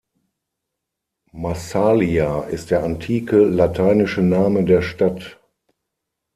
Massalia ist der antike lateinische Name der Stadt.